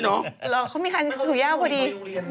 เขามีงานคืนสู่เยาว์พอดี